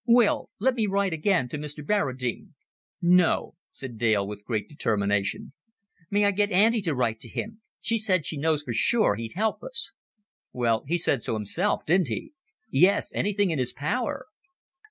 "Will, let me write again to Mr. Barradine." "No," said Dale, with great determination. "May I get Auntie to write to him? She said she knows for sure he'd help us." "Well, he said so himself, didn't he?" "Yes. Anything in his power!"